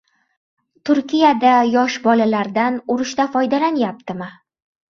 Turkiyada yosh bolalardan urushda foydalanyaptimi?